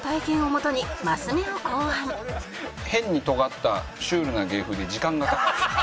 「変にとがったシュールな芸風で時間がかかる」